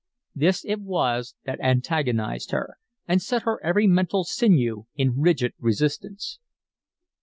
This it was that antagonized her and set her every mental sinew in rigid resistance.